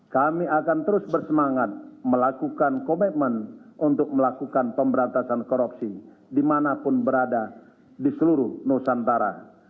kami akan terus bersemangat melakukan komitmen untuk melakukan pemberantasan korupsi dimanapun berada di seluruh nusantara